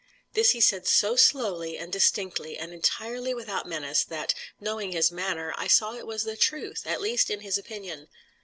This he said so slowly, and distinctly, and entirely without menace, that, knowing his manner, I saw it was the truth, at least in his opinion.